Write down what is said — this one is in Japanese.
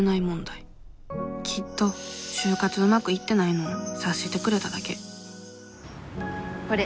きっと就活うまくいってないのを察してくれただけこれ。